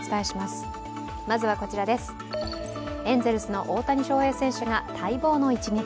エンゼルスの大谷翔平選手が待望の一撃。